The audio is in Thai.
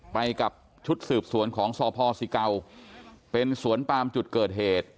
ไปกับชุดสืบสวนของสพสิเกาเป็นสวนปามจุดเกิดเหตุ